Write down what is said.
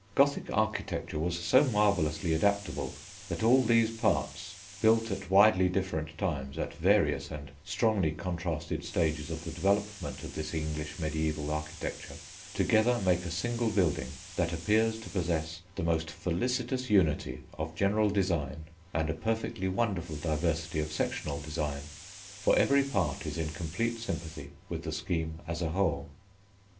Gothic architecture was so marvellously adaptable that all these parts, built at widely different times, at various and strongly contrasted stages of the development of this English mediæval architecture, together make a single building that appears to possess the most felicitous unity of general design and a perfectly wonderful diversity of sectional design, for every part is in complete sympathy with the scheme as a whole.